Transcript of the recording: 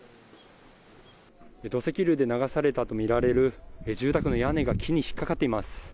土石流で流されたとみられる住宅の屋根が木に引っかかっています。